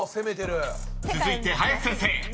［続いて林先生］